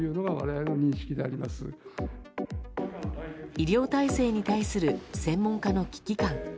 医療体制に対する専門家の危機感。